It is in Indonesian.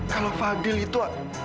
kalau fadil itu